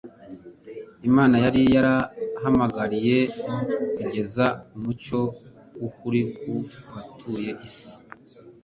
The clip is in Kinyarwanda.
Imana yari yarahamagariye kugeza umucyo w'ukuri ku batuye is